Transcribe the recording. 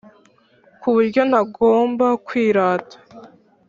kuburyo ntagomba kwirata